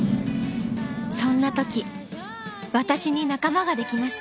そんな時私に仲間ができました